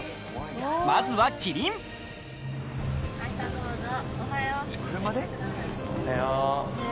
まずはキリンおはよう。